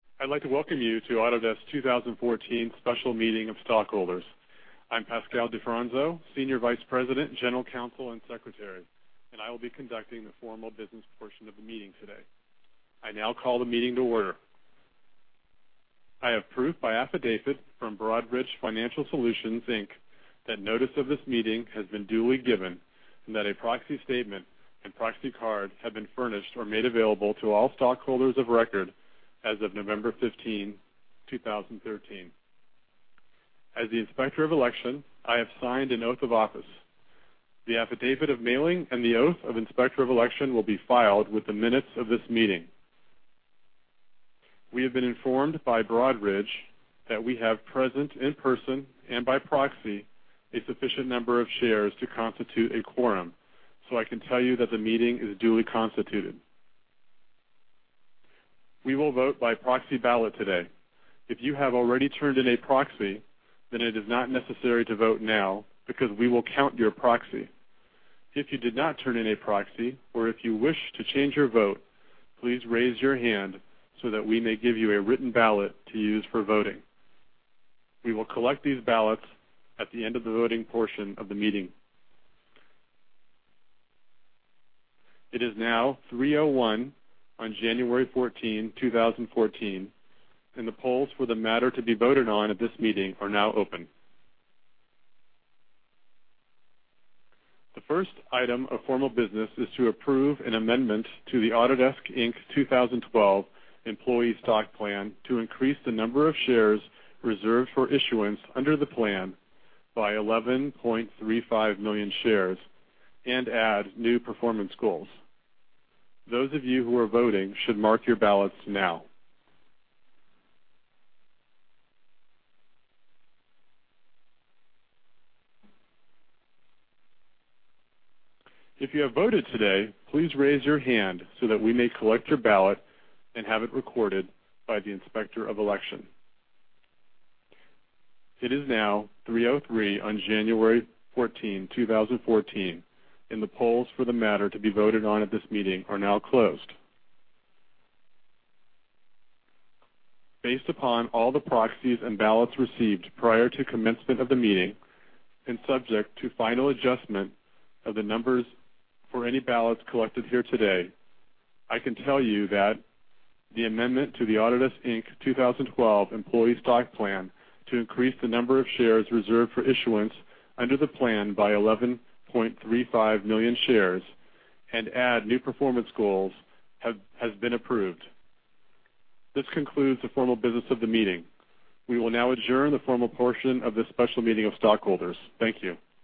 I'd like to welcome you to Autodesk 2014 Special Meeting of Stockholders. I'm Pascal Di Fronzo, Senior Vice President, General Counsel, and Secretary, I will be conducting the formal business portion of the meeting today. I now call the meeting to order. I have proof by affidavit from Broadridge Financial Solutions, Inc. that notice of this meeting has been duly given and that a proxy statement and proxy card have been furnished or made available to all stockholders of record as of November 15, 2013. As the Inspector of Election, I have signed an oath of office. The affidavit of mailing and the oath of Inspector of Election will be filed with the minutes of this meeting. We have been informed by Broadridge that we have present in person and by proxy, a sufficient number of shares to constitute a quorum. I can tell you that the meeting is duly constituted. We will vote by proxy ballot today. If you have already turned in a proxy, it is not necessary to vote now because we will count your proxy. If you did not turn in a proxy or if you wish to change your vote, please raise your hand so that we may give you a written ballot to use for voting. We will collect these ballots at the end of the voting portion of the meeting. It is now 3:01 on January 14, 2014, the polls for the matter to be voted on at this meeting are now open. The first item of formal business is to approve an amendment to the Autodesk, Inc. 2012 Employee Stock Plan to increase the number of shares reserved for issuance under the plan by 11.35 million shares and add new performance goals. Those of you who are voting should mark your ballots now. If you have voted today, please raise your hand so that we may collect your ballot and have it recorded by the Inspector of Election. It is now 3:03 on January 14, 2014, the polls for the matter to be voted on at this meeting are now closed. Based upon all the proxies and ballots received prior to commencement of the meeting, subject to final adjustment of the numbers for any ballots collected here today, I can tell you that the amendment to the Autodesk, Inc. 2012 Employee Stock Plan to increase the number of shares reserved for issuance under the plan by 11.35 million shares and add new performance goals has been approved. This concludes the formal business of the meeting. We will now adjourn the formal portion of this special meeting of stockholders. Thank you.